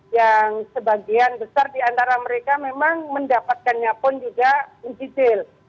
yang sebagian besar di antara mereka memang mendapatkannya pun juga mencicil